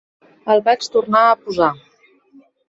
El vaig tornar a posar.